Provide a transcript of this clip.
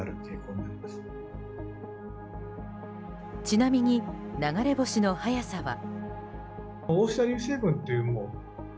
ちなみに流れ星の速さは。